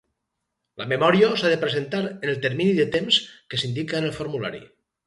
La memòria s'ha de presentar en el termini de temps que s'indica en el formulari.